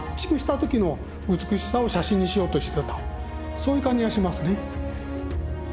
そういう感じがしますね。